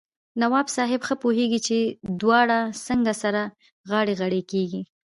نواب صاحب ښه پوهېږي چې دواړه څنګه سره غاړه غړۍ کړي.